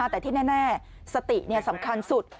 แต่ที่แน่สติสำคัญสุด